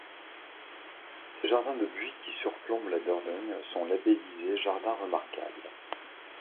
Ses jardins de buis qui surplombent la Dordogne sont labellisés jardin remarquable.